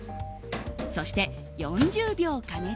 そして４０秒加熱。